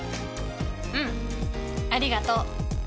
うんありがとう。